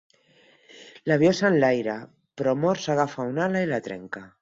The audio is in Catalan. L'avió s'enlaire, però Mort s'agafa a una ala i la trenca.